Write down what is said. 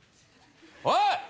おい！